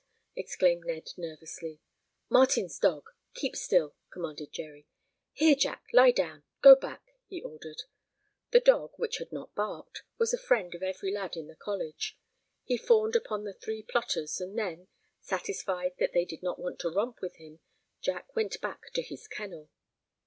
exclaimed Ned, nervously. "Martin's dog. Keep still!" commanded Jerry. "Here, Jack, lie down! Go back!" he ordered. The dog, which had not barked, was a friend of every lad in the college. He fawned upon the three plotters and then, satisfied that they did not want to romp with him, Jack went back to his kennel.